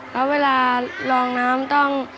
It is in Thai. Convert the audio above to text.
แล้วเวลาลองน้ำต้อง